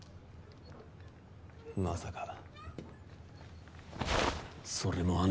まさかそれもあんたが！？